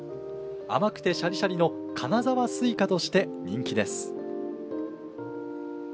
甘くてシャリシャリの金沢すいかとして人気です。